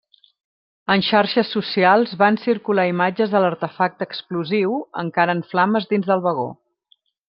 En xarxes socials van circular imatges de l'artefacte explosiu encara en flames dins del vagó.